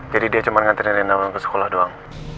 jadi dia cuma nganterin rena ke sekolah doang